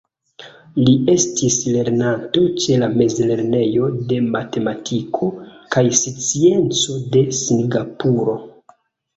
Li estis lernanto ĉe la Mezlernejo de Matematiko kaj Scienco de Singapuro.